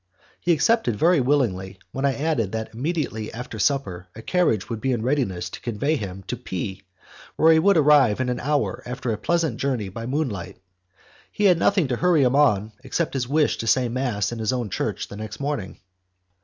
He accepted very willingly when I added that immediately after supper a carriage would be in readiness to convey him to P , where he would arrive in an hour after a pleasant journey by moonlight. He had nothing to hurry him on, except his wish to say mass in his own church the next morning.